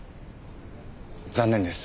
残念です。